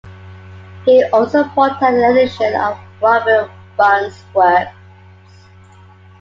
He also brought out an edition of Robert Burns' Works.